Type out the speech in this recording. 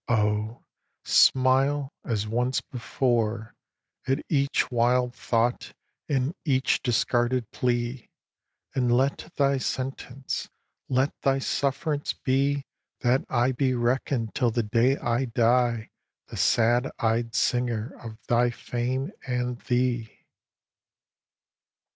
Oh, smile, as once before, At each wild thought and each discarded plea, And let thy sentence, let thy suffrance be That I be reckon'd till the day I die The sad eyed Singer of thy fame and thee!